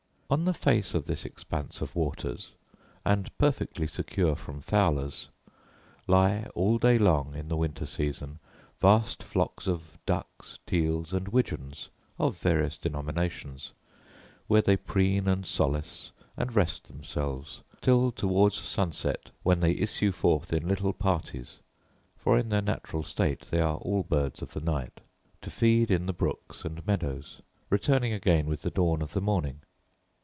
On the face of this expanse of waters, and perfectly secure from fowlers, lie all day long, in the winter season, vast flocks of ducks, teals, and widgeons, of various denominations; where they preen and solace, and rest themselves, till towards sunset, when they issue forth in little parties (for in their natural state they are all birds of the night) to feed in the brooks and meadows; returning again with the dawn of the morning.